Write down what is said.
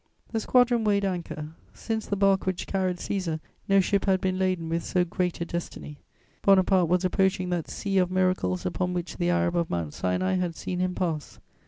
The squadron weighed anchor. Since the bark which carried Cæsar, no ship had been laden with so great a destiny. Bonaparte was approaching that sea of miracles upon which the Arab of Mount Sinai had seen him pass.